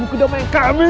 kau akan diserang kami